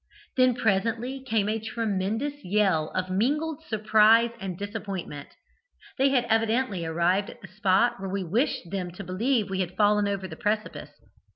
Then presently came a tremendous yell of mingled surprise and disappointment. They had evidently arrived at the spot where we wished them to believe we had fallen over the precipice.